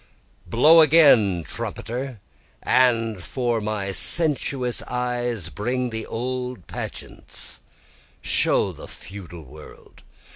4 Blow again trumpeter! and for my sensuous eyes, Bring the old pageants, show the feudal world.